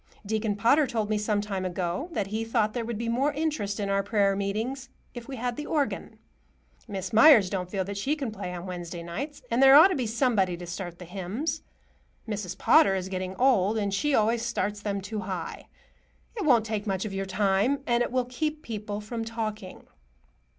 Deacon Potter told me some time ago that he thought there would be more interest in our prayer meetings if we had the organ. Miss Meyers don't feel that she can play on Wednesday nights. And there ought to be somebody to start the hymns. Mrs. Potter is getting old, and she always starts them too high. It won't take much of your time, and it will keep people from talking."